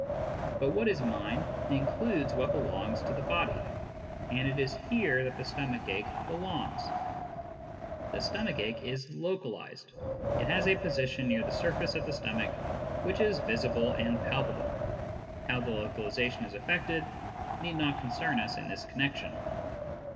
But what is mine includes what belongs to the body, and it is here that the stomach ache belongs. The stomach ache is localized : it has a position near the surface of the stomach, which is visible and palpable. (How the localization is effected need not concern us in this connexion.)